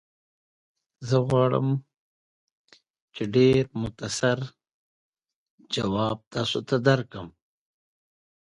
Her heart did whisper that he had done it for her.